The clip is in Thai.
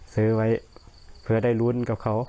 ซื้อไว้เพื่อได้ลุ้นกับเขา